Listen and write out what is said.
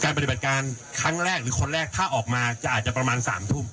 ปฏิบัติการครั้งแรกหรือคนแรกถ้าออกมาจะอาจจะประมาณ๓ทุ่ม